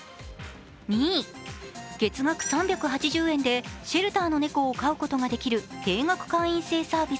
月額３８０円でシェルターの猫を飼うことができる定額会員制サービス